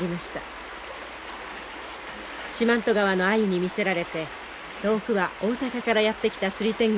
四万十川のアユに魅せられて遠くは大阪からやって来た釣り天狗もいます。